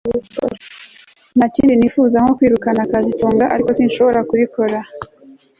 Nta kindi nifuza nko kwirukana kazitunga ariko sinshobora kubikora